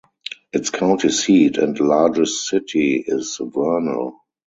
Its county seat and largest city is Vernal.